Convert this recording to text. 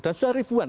dan sudah ribuan